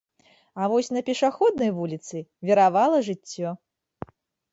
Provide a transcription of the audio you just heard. А вось на пешаходнай вуліцы віравала жыццё.